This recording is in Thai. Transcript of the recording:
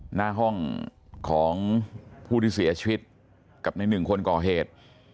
หน้าห้องของผู้ที่เสียชีวิตกับในหนึ่งคนก่อเหตุ